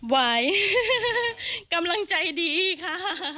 ไหวกำลังใจดีค่ะ